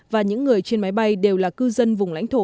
và những người trên máy bay đều là cư dân vùng lãnh thổ